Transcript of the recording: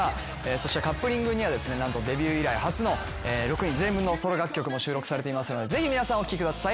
そしてカップリングにはですね何とデビュー以来初の６人全員分のソロ楽曲も収録されていますのでぜひ皆さんお聴きください。